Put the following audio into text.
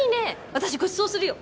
私ごちそうするよ。